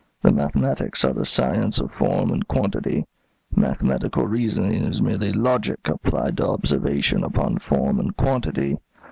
The mathematics are the science of form and quantity; mathematical reasoning is merely logic applied to observation upon form and quantity.